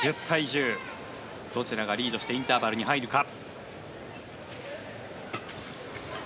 どちらがリードしてインターバルに入るか。